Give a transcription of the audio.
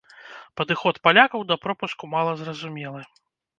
Падыход палякаў да пропуску мала зразумелы.